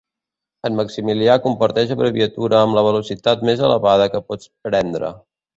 En Maximilià comparteix abreviatura amb la velocitat més elevada que pots prendre.